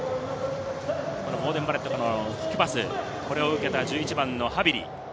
ボーデン・バレットのキックパスを受けた１１番のハヴィリ。